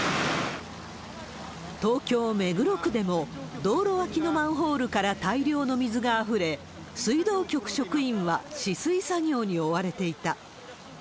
東京・目黒区でも道路脇のマンホールから大量の水があふれ、水道局職員は止水作業に追われていた。